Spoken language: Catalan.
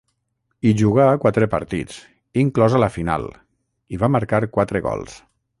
Hi jugà quatre partits, inclosa la final, i va marcar quatre gols.